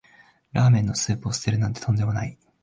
ラーメンのスープを捨てるなんてとんでもない